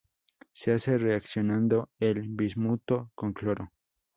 Se hace reaccionando el bismuto con cloro.